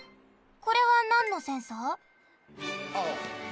これはなんのセンサー？